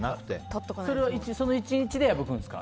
その１日で破くんですか？